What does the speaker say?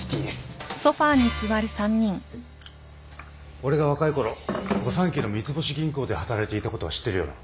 俺が若いころ御三家の三ツ星銀行で働いていたことは知ってるよな。